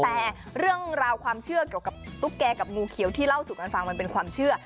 แต่เรื่องราวความเชื่อเกี่ยวกับตุ๊กแก่กับงูเขียวที่เล่าสู่กันฟังมันเป็นความเชื่อ